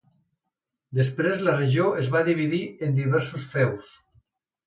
Després la regió es va dividir en diversos feus.